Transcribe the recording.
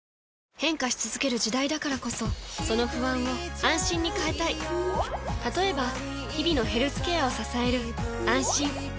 変化し続ける時代だからこそその不安を「あんしん」に変えたい例えば日々のヘルスケアを支える「あんしん」